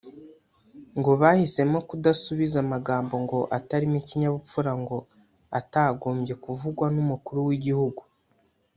ngo bahisemo kudasubiza amagambo ngo atarimo ikinyabupfura ngo atagombye kuvugwa n’umukuru w’igihugu